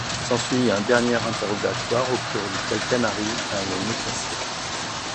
S'ensuit un dernier interrogatoire au cours duquel Canaris a le nez cassé.